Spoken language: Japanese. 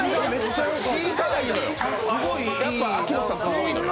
やっぱ秋元さんすごいのよ。